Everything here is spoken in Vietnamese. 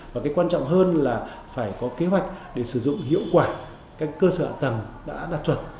và cái quan trọng hơn là phải có kế hoạch để sử dụng hiệu quả các cơ sở tầng đã đạt chuẩn